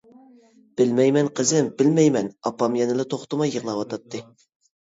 -بىلمەيمەن قىزىم، بىلمەيمەن، -ئاپام يەنىلا توختىماي يىغلاۋاتاتتى.